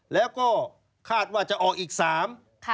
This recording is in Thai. แล้วก็คาดว่าจะออกอีกสามค่ะ